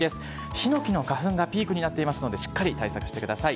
ヒノキの花粉がピークになっていますので、しっかり対策してください。